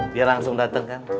dia langsung dateng kan